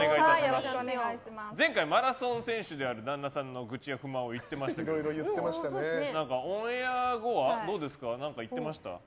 前回マラソン選手である旦那さんの愚痴を言ってましたけどオンエア後はどうですか何か言ってました？